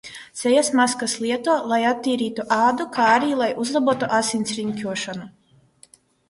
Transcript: Sejas maskas lieto, lai attīrītu ādu, kā arī lai uzlabotu asinsriņķošanu.